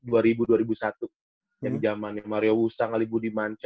waktu itu gue ngerasain di blitajaya